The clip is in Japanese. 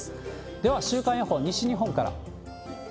では週間予報、西日本から。